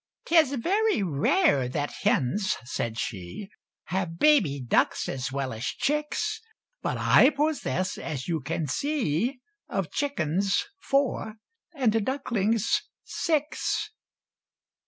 "'Tis very rare that hens," said she, "Have baby ducks as well as chicks But I possess, as you can see, Of chickens four and ducklings six!"